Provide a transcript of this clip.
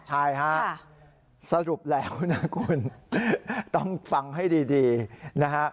ใช่ฮะสรุปแล้วนะคุณต้องฟังให้ดีนะฮะ